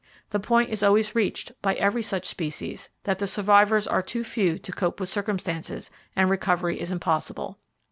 The point is always reached, by every such species, that the survivors are too few to cope with circumstances, and recovery is impossible.